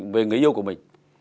về người yêu của mình